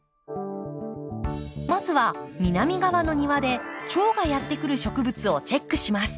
まずは南側の庭でチョウがやって来る植物をチェックします。